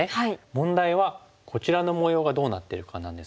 問題はこちらの模様がどうなってるかなんですけども。